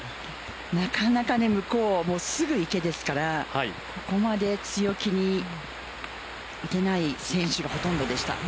なかなか向こうはすぐ池ですからここまで強気にいけない選手がほとんどでした。